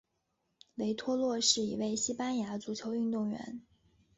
维托洛是一位西班牙足球运动员。